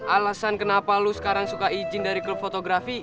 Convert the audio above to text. alasan kenapa lo sekarang suka izin dari klub fotografi